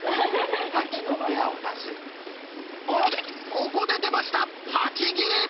ここで出ました「８切り」。